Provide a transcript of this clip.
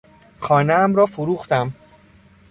خانهام را فروختم.